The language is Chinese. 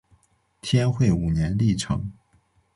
天会五年历成。